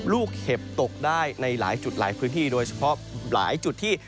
เห็บตกได้ในหลายจุดหลายพื้นที่โดยเฉพาะหลายจุดที่